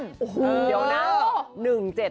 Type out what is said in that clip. เดี๋ยวนะ